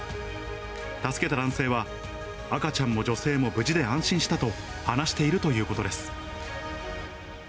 助けた男性は、赤ちゃんも女性も無事で安心したと、話しているということです。